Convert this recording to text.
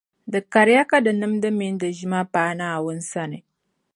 Di kariya ka di nimdi mini di ʒima paai Naawuni sani.